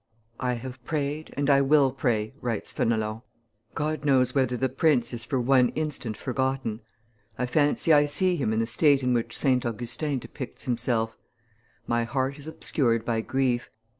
"I have prayed, and I will pray," writes F6nelon. "God knows whether the prince is for one instant forgotten. I fancy I see him in the state in which St. Augustin depicts himself: 'My heart is obscured by grief.